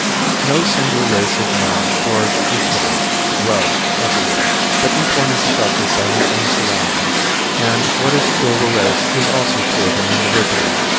No single race of men flourish equally well everywhere, but each one is affected by its own surroundings; and, what is true of a race, is also true of an individual.